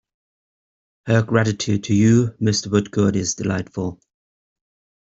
Her gratitude to you, Mr. Woodcourt, is delightful.